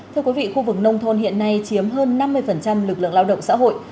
thưa quý vị khu vực nông thôn hiện nay chiếm hơn năm mươi lực lượng lao động xã hội